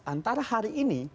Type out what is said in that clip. antara hari ini